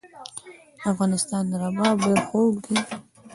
د افغانستان رباب ډیر خوږ دی